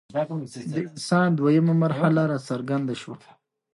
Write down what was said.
د انسان دویمه مرحله راڅرګنده شوه.